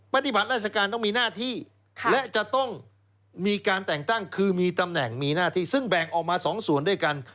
ปฏิบัติราชการต้องมีหน้าที่และจะต้องมีการแต่งตั้งคือมีตำแหน่งมีหน้าที่ซึ่งแบ่งออกมา๒ส่วนด้วยกัน